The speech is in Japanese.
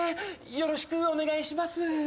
よろしくお願いします。